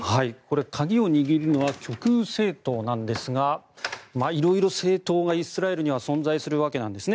鍵を握るのは極右政党なんですが色々と政党がイスラエルには存在するわけなんですね。